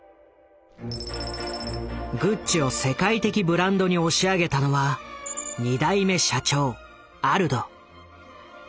グッチを世界的ブランドに押し上げたのは２代目社長アルド。